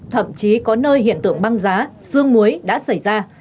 thậm chí có nơi hiện tượng băng giá xương muối đã xảy ra